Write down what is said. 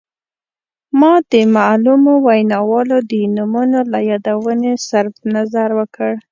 ما د معلومو ویناوالو د نومونو له یادونې صرف نظر وکړ.